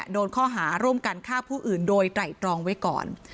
โดนข้อหาร่วมกันฆ่าผู้อื่นโดยไตรตรองไว้ก่อน